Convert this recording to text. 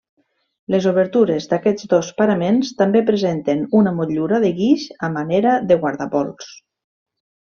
Les obertures d'aquests dos paraments també presenten una motllura de guix a manera de guardapols.